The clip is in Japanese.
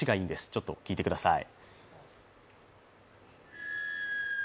ちょっと聴いてください。